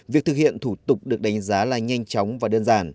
việc thực hiện thủ tục được đánh giá là nhanh chóng và đơn giản